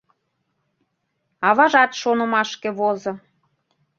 — аважат шонымашке возо.